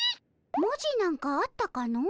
文字なんかあったかの？